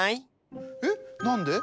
えっなんで？